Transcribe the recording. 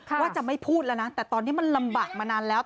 ว่าจะไม่พูดแล้วนะแต่ตอนนี้มันลำบากมานานแล้ว